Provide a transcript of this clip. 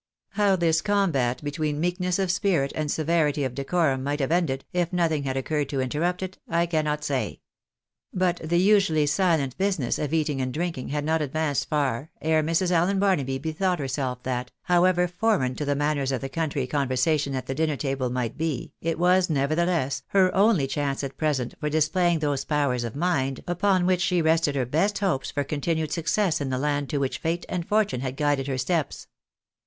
How this combat between meekness of spirit and severity of decorum might have ended, if nothing had occurred to interrupt it, I cannot say ; but the usually silent business of eating and drinking had not advanced far, ere Mrs. Allen Barnaby bethought herself that, however foreign to the manners of the country conversation at the dinner table might be, it was, nevertheless, her only chance at present for dis playing those powers of mind upon which she rested her best hopes for continued success in the land to which fate and fortune had guided her steps.